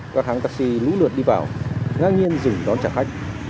các hàng taxi lũ lượt đi vào ngang nhiên dừng đón trả khách